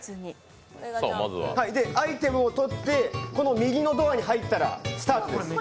で、アイテムを取って右のドアに入ったらスタートです。